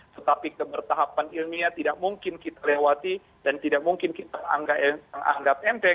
tetapi kebertahapan ilmiah tidak mungkin kita lewati dan tidak mungkin kita anggap enteng